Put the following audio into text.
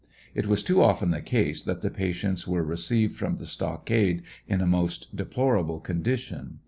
It was too often the case that the patients were received from the stockade in a most deplorable condition.